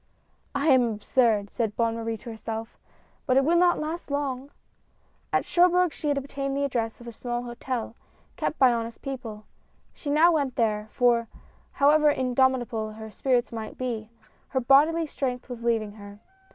"I am absurd," said Bonne Marie to herself, "but it will not last long !" At Cherbourg she had obtained the address of a small hotel, kept by honest people. She now went there, for, however indomitable her spirits might be, her bodily strength was leaving her.